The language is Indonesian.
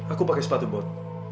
aku pakai sepatu bot